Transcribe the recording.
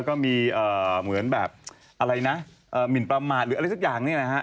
ก็มีเหมือนแบบอะไรนะหมินประมาทหรืออะไรสักอย่างเนี่ยนะฮะ